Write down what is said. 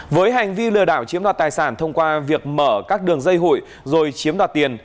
với hành vi lừa đảo chiếm đoạt tài sản thông qua việc mở các đường dây hụi rồi chiếm đoạt tiền